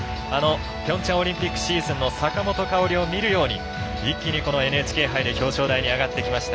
ピョンチャンオリンピックシーズンの坂本花織を見るように一気にこのＮＨＫ杯で表彰台に上がってきました。